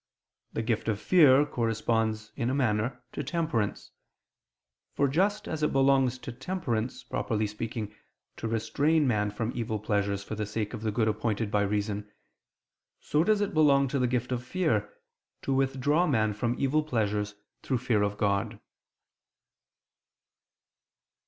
The gift of fear corresponds, in a manner, to temperance: for just as it belongs to temperance, properly speaking, to restrain man from evil pleasures for the sake of the good appointed by reason, so does it belong to the gift of fear, to withdraw man from evil pleasures through fear of God.